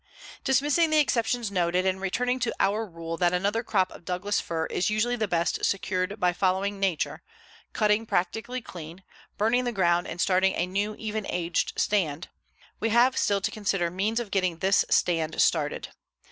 _ Dismissing the exceptions noted, and returning to our rule that another crop of Douglas fir is usually the best secured by following nature cutting practically clean, burning the ground and starting a new even aged stand we have still to consider means of getting this stand started.